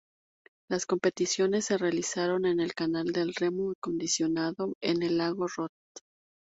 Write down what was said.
Las competiciones se realizaron en el canal de remo acondicionado en el lago Rot.